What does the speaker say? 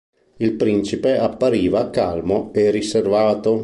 Il principe appariva calmo e riservato.